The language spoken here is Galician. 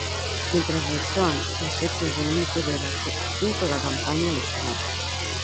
Mentres, resoan os ecos do único debate a cinco da campaña electoral.